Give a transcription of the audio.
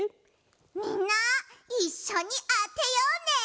みんないっしょにあてようね。